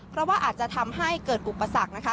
เพราะว่าอาจจะทำให้เกิดอุปสรรคนะคะ